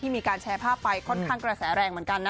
มีการแชร์ภาพไปค่อนข้างกระแสแรงเหมือนกันนะ